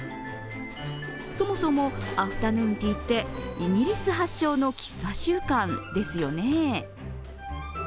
そもそもアフタヌーンティーってイギリス発祥の喫茶習慣ですよね？